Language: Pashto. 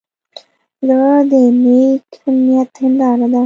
زړه د نیک نیت هنداره ده.